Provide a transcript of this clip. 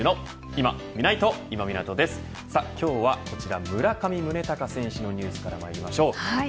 今日はこちら村上宗隆選手のニュースからまいりましょう。